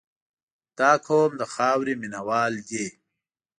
• دا قوم د خاورې مینه وال دي.